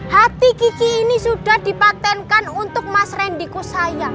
hati kiki ini sudah dipatenkan untuk mas rendiku sayang